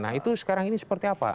nah itu sekarang ini seperti apa